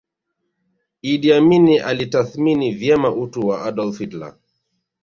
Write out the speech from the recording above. Idi Amin alitathmini vyema utu wa Adolf Hitler